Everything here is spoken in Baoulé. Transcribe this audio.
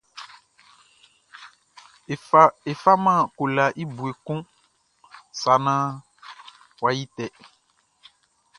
E faman kolaʼn i bue kun sa naan yʼa yi tɛ.